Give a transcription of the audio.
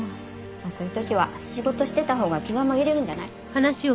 そういう時は仕事してたほうが気が紛れるんじゃない？